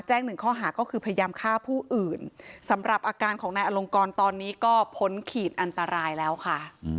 หนึ่งข้อหาก็คือพยายามฆ่าผู้อื่นสำหรับอาการของนายอลงกรตอนนี้ก็พ้นขีดอันตรายแล้วค่ะ